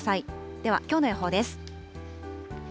ではきょうの予報です。